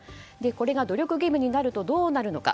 これが努力義務になるとどうなるのか。